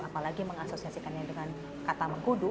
apalagi mengasosiasikannya dengan kata mengkudu